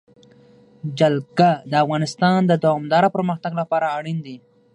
جلګه د افغانستان د دوامداره پرمختګ لپاره اړین دي.